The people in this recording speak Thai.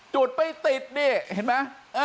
จุดไม่ติดดิเห็นมั้ย